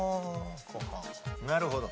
なるほど。